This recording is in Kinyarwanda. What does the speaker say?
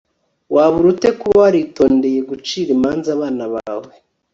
wabura ute kuba waritondeye gucira imanza abana bawe